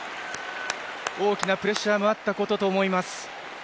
大きなプレッシャーもあったことと思います。